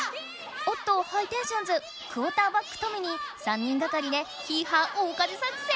おっとハイテンションズクオーターバックトミに３人がかりで「ヒーハー大風作戦」！